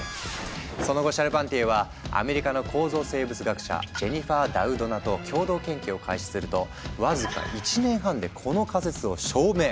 その後シャルパンティエはアメリカの構造生物学者ジェニファー・ダウドナと共同研究を開始するとわずか１年半でこの仮説を証明。